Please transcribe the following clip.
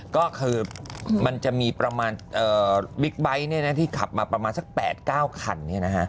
ก็คือมันจะมีประมาณบิ๊กไบท์ที่ขับมาประมาณสัก๘๙คัน